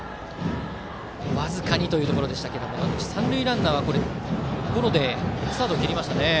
僅かにというところでしたが三塁ランナーはゴロでスタートを切りましたね。